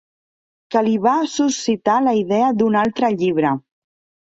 Que li va suscitar la idea d'un altre llibre.